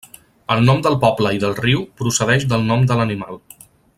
El nom del poble i del riu procedeix del nom de l'animal.